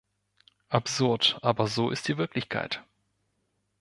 Absurd, aber so ist die Wirklichkeit!